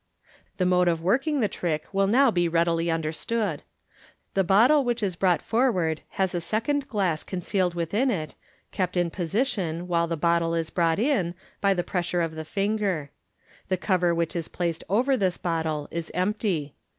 The mode of working the trick will now be readily understood. The bottle which is brought forward h is a second glass concealed within it, kept in position, while the bottle is brought in, by the pressure of the finger. The cover which is placed over this bottle is empty.